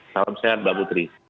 salam sehat mbak putri